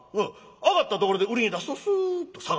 上がったところで売りに出すとすっと下がる。